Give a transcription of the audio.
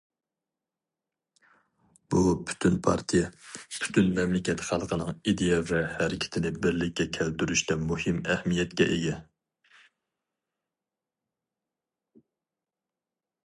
بۇ، پۈتۈن پارتىيە، پۈتۈن مەملىكەت خەلقىنىڭ ئىدىيە ۋە ھەرىكىتىنى بىرلىككە كەلتۈرۈشتە مۇھىم ئەھمىيەتكە ئىگە.